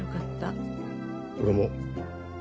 俺も。